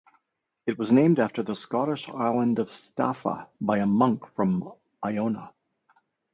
It was named after the Scottish island of Staffa by a monk from Iona.